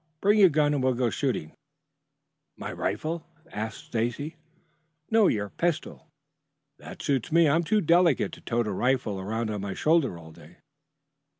Bring your gun and we'll go shooting." "My rifle?" "No. Your pistol." "That suits me. I am too delicate to tote a rifle around on my shoulder all day."